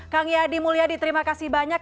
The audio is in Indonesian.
kang yadi mulyadi terima kasih banyak